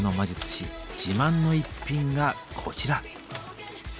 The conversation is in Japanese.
自慢の一品がこちら。